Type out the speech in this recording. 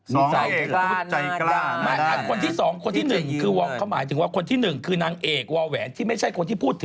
นี่ตอบคำคอบความหมายถึงว่าคนที่๑คือนางเอกว่าแหวนที่ไม่ใช่คนที่พูดถึง